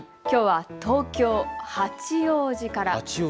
きょうは東京八王子から。